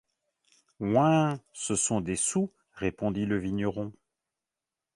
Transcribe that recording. Ouin! ce sont des sous, répondit le vigneron.